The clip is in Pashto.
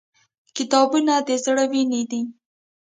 • کتابونه د زړه وینې دي.